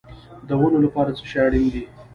د ونو لپاره څه شی اړین دی؟